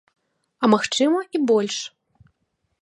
А, магчыма, і больш.